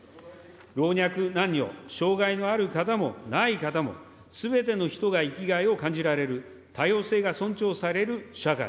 老若男女、障害のある方もない方も、すべての人が生きがいを感じられる、多様性が尊重される社会。